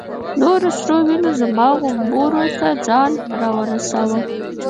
نورو سرو وینو زما غومبورو ته ځان را ورساوه.